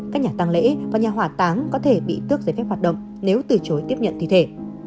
các nhà tăng lễ và nhà hỏa táng có thể bị tước giấy phép hoạt động nếu từ chối tiếp nhận thi thể